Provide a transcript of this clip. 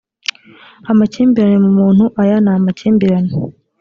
amakimbirane mu muntu aya ni amakimbirane